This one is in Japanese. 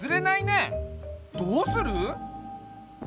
どうする？